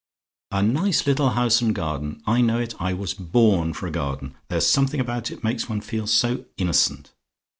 "A nice little house and a garden! I know it I was born for a garden! There's something about it makes one feel so innocent.